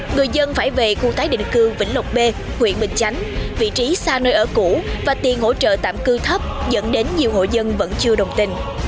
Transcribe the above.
người dân phải về khu tái định cư vĩnh lộc b huyện bình chánh vị trí xa nơi ở cũ và tiền hỗ trợ tạm cư thấp dẫn đến nhiều hộ dân vẫn chưa đồng tình